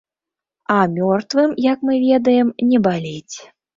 А мёртвым, як мы ведаем, не баліць.